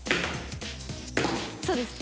そうです。